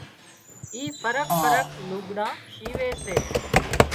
اي فرق فرق لگھڙان شيوي سي